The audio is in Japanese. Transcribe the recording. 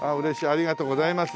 ありがとうございます。